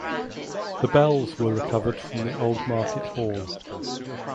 The bells were recovered from the old market hall.